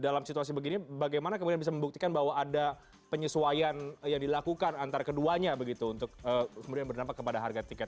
dalam situasi begini bagaimana kemudian bisa membuktikan bahwa ada penyesuaian yang dilakukan antara keduanya begitu untuk kemudian berdampak kepada harga tiket